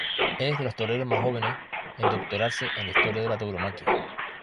Es de los toreros más jóvenes en doctorarse en la historia de la tauromaquia.